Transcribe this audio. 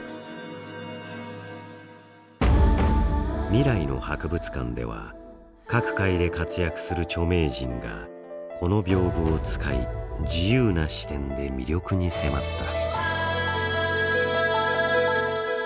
「未来の博物館」では各界で活躍する著名人がこの屏風を使い自由な視点で魅力に迫った。